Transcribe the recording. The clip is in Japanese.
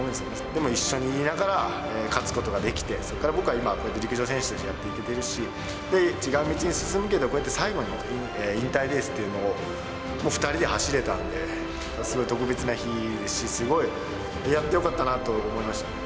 でも一緒にいながら、勝つことができて、そこから僕は今、陸上選手としてやっていけてるし、違う道に進むけど、こうやって最後に引退レースというのを２人で走れたんで、すごい特別な日ですし、すごい、やってよかったなと思いましたね。